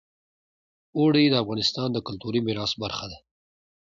اوړي د افغانستان د کلتوري میراث برخه ده.